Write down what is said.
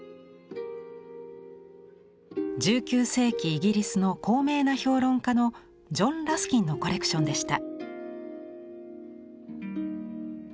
１９世紀イギリスの高名な評論家のジョン・ラスキンのコレクションでした。